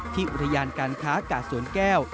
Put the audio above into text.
อุทยานการค้ากาศสวนแก้ว